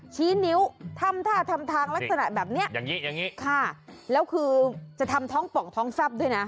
ชี้นิ้วทำท่าแล้วคือจะทำท้องป่องท้องซับด้วยนะ